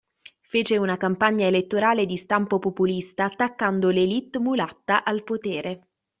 Fece una campagna elettorale di stampo populista, attaccando l’"élite" mulatta al potere.